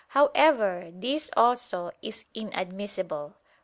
However, this also is inadmissible.